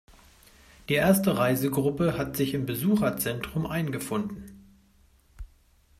Die erste Reisegruppe hat sich im Besucherzentrum eingefunden.